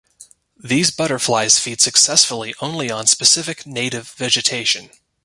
These butterflies feed successfully only on specific native vegetation.